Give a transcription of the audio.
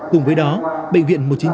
cùng với đó bệnh viện một trăm chín mươi